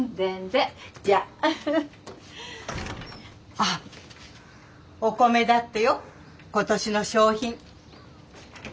あお米だってよ今年の賞品。